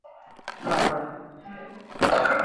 Hori da elkarteko horretako kideek salatzen dutena.